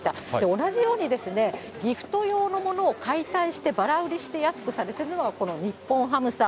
同じようにギフト用の物を解体して、ばら売りして安くされてるのが、この日本ハムさん。